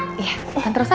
iya kita terus ada